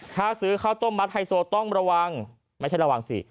ถ้าซื้อข้าวต้มมัดไฮโซต้องระวังไม่ใช่ระวังสิ